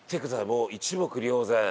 もう一目瞭然。